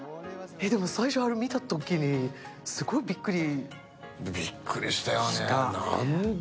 最初見たときにすごいびっくり？